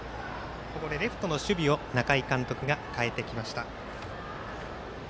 レフトの守備を中井監督が変えてきました。